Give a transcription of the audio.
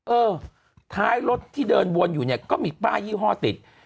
เออท้ายรถที่เดินวนอยู่เนี่ยก็มีป้ายยี่ห้อติด